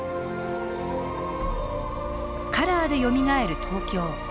「カラーでよみがえる東京」。